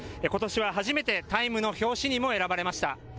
ことしは初めてタイム誌の表紙にも選ばれました。